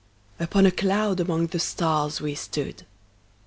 Upon a cloud among the stars we stood.